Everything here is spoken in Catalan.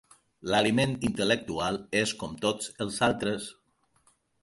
L'aliment intel·lectual és com tots els altres.